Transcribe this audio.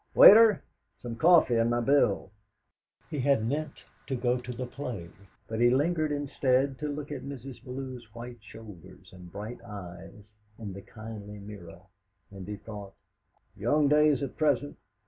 "Waiter, some coffee and my bill!" He had meant to go to the play, but he lingered instead to look at Mrs. Bellew's white shoulders and bright eyes in the kindly mirror. And he thought: '.oung days at present.